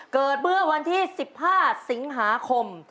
เกิดเมื่อวันที่๑๕สิงหาคม